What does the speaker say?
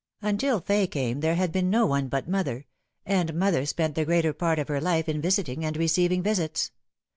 Until Fay came there had been no one but mother ; and mother spent the greater part of her life in visiting and receiving visits.